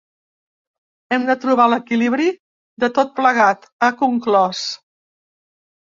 “Hem de trobar l’equilibri de tot plegat”, ha conclòs.